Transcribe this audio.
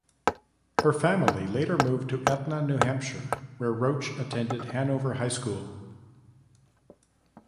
Her family later moved to Etna, New Hampshire, where Roach attended Hanover High School.